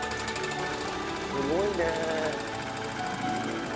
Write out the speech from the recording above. すごいねぇ。